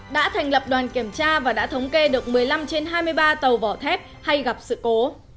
đã thành lập đoàn kiểm tra và đã thống kê được một mươi năm trên hai mươi ba tàu vỏ thép hay gặp sự cố